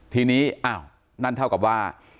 ทีนี้อ้าวนั่นเท่ากับว่า